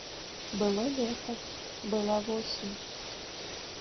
Было лета, была восень.